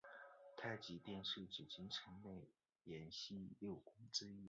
太极殿是紫禁城内廷西六宫之一。